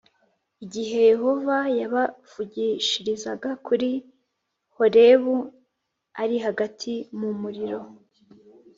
igihe Yehova yabavugishirizaga kuri Horebu ari hagati mu muriro,